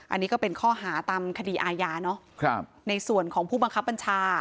อันนี้ก็เป็นข้อหาตามคดีอาญาเนาะในส่วนของผู้บังคับบัญชา